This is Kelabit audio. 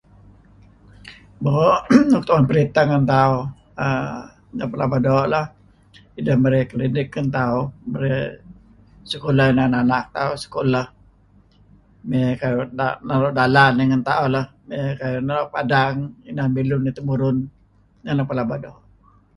Doo' nuk doo' tu'en periteh ngen tauh neh pelaba doo' lah, ideh neh merey klinik ngen tauh, neh merey sekulah inan anak tauh sekulah, mey naru' dalan dih ngen tauh lah, mey kayu' naru' padang eh inan bilun temurun, neh nuk pelaba doo'.